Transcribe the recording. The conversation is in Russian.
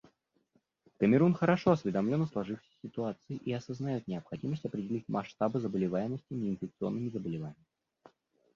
Камерун хорошо осведомлен о сложившейся ситуации и осознает необходимость определить масштабы заболеваемости неинфекционными заболеваниями.